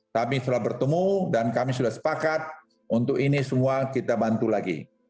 kami sudah bertemu dan kami sudah sepakat untuk ini semua kita bantu lagi